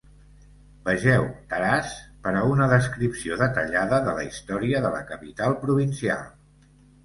Vegeu Taraz per a una descripció detallada de la història de la capital provincial.